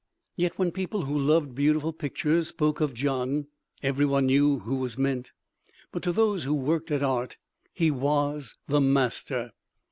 Yet when people who loved beautiful pictures spoke of "Gian," every one knew who was meant; but to those who worked at art he was "The Master."